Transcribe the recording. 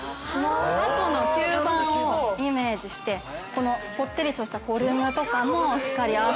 タコの吸盤をイメージしてぽってりとしたボリュームとかもしっかりー